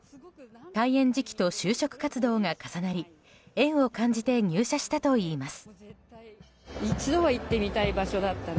開園時期と就職活動が重なり縁を感じて入社したといいます。